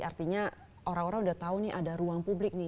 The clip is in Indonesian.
artinya orang orang udah tahu nih ada ruang publik nih